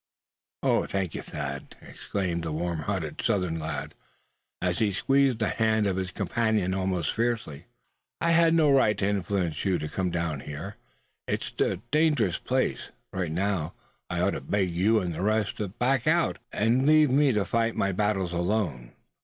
"Oh! thank you, Thad!" exclaimed the warmhearted Southern lad, as he squeezed the hand of his companion almost fiercely. "I had no right to influence you to come down here. It is a dangerous place. Right now I ought to beg you and the rest to back out, and leave me to fight my battles alone.